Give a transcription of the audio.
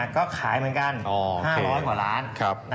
ก็ขายเหมือนกัน๕๐๐กว่าล้าน